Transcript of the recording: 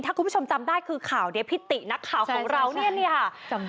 ถ้าคุณผู้ชมจำได้คือข่าวนี้พิตินักข่าวของเราเนี่ยค่ะ